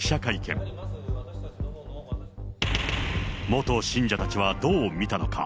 元信者たちはどう見たのか。